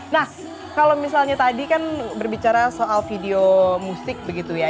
nah kalau misalnya tadi kan berbicara soal video musik begitu ya